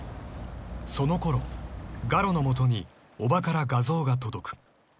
［そのころ我路のもとに叔母から画像が届く］